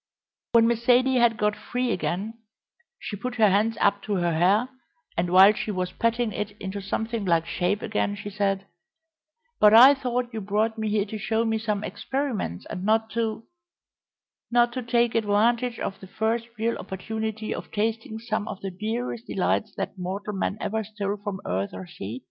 When Miss Zaidie had got free again she put her hands up to her hair, and while she was patting it into something like shape again she said: "But I thought you brought me here to show me some experiments, and not to " "Not to take advantage of the first real opportunity of tasting some of the dearest delights that mortal man ever stole from earth or sea?